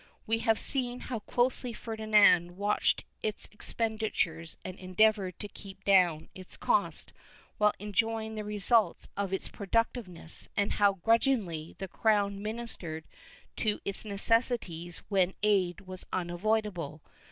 We have seen how closely Ferdinand watched its expenditures and endeavored to keep down its cost, while enjoying the results of its productiveness, and how grudgingly the crown ministered to its necessities when aid was unavoidable.